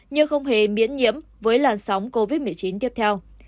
như không hề miễn nhiễm với làn sóng covid một mươi chín tiếp theo